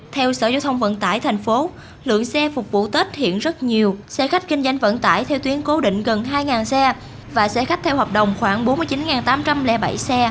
theo sở giao thông vận tải thành phố lượng xe phục vụ tết hiện rất nhiều xe khách kinh doanh vận tải theo tuyến cố định gần hai xe và xe khách theo hợp đồng khoảng bốn mươi chín tám trăm linh bảy xe